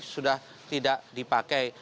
sudah tidak dipakai